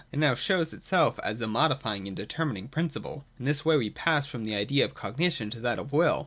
It now shows itself as a modifying and determining principle. In this way we pass from the idea of cognition to that of will.